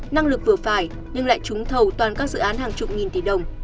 năng lực vừa phải nhưng lại trúng thầu toàn các dự án hàng chục nghìn tỷ đồng